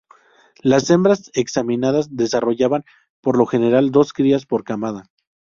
Las hembras examinadas desarrollaban, por lo general, dos crías por camada.